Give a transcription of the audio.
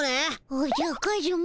おじゃカズマ。